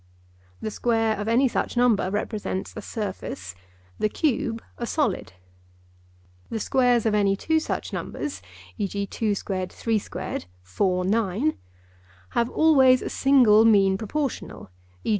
The square of any such number represents a surface, the cube a solid. The squares of any two such numbers (e.g. 2 squared, 3 squared = 4, 9), have always a single mean proportional (e.